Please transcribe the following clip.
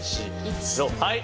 はい！